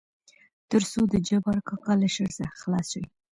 تر څو دجبار کاکا له شر څخه خلاص شي.